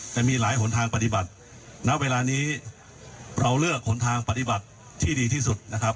แต่มีหลายหนทางปฏิบัติณเวลานี้เราเลือกหนทางปฏิบัติที่ดีที่สุดนะครับ